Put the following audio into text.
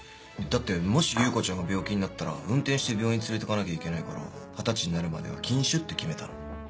だってもし優子ちゃんが病気になったら運転して病院に連れてかなきゃいけないから二十歳になるまでは禁酒って決めたの。